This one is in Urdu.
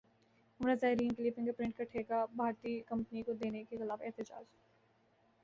عمرہ زائرین کیلئے فنگر پرنٹ کا ٹھیکہ بھارتی کمپنی کو دینے کیخلاف احتجاج